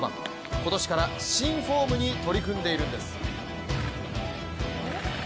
今年から新フォームに取り組んでいるんです。